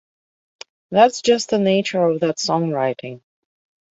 That's just the nature of that songwriting.